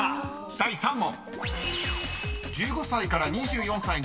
第３問］